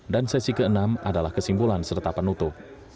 dan sesi ke enam adalah kesimpulan serta penutup